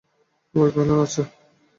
যুবরাজ কহিলেন, আচ্ছা।